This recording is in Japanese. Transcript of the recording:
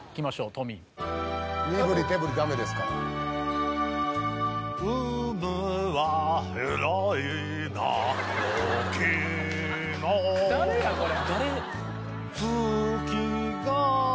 トミー身振り手振りダメですから誰やこれ？